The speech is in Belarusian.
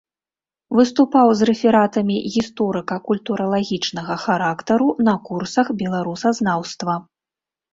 Выступаў з рэфератамі гісторыка-культуралагічнага характару на курсах беларусазнаўства.